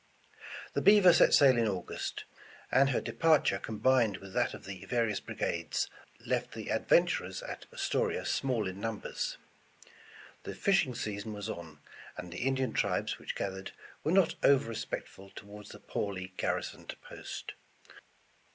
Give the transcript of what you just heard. The Beaver set sail in August, and her departure combined with that of the various brigades, left the ad venturers at Astoria small in numbers. The fishing sea son was on, and the Indian tribes which gathered, were not over respectful toward the poorly garrisoned post.